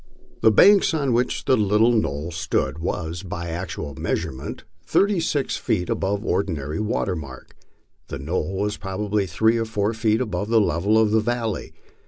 The bank on which the little knoll stood was, by MY LIFE ON THE PLAINS. 49 actual measurement, thirty six feet above ordinary water mark. The knoll was probably three or four feet above the level of the valley.